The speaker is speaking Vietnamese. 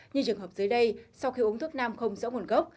như trường hợp dưới đây sau khi uống thuốc nam không rõ nguồn gốc